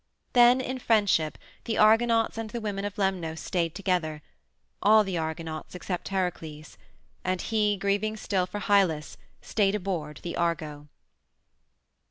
Then in friendship the Argonauts and the women of Lemnos stayed together all the Argonauts except Heracles, and he, grieving still for Hylas, stayed aboard the Argo.